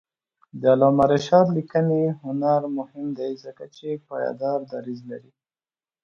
د علامه رشاد لیکنی هنر مهم دی ځکه چې پایدار دریځ لري.